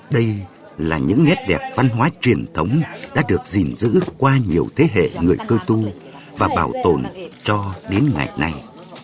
đây là những nét đẹp văn hóa truyền thống đã được gìn giữ qua nhiều thế hệ người cơ tu và bảo tồn cho đến ngày nay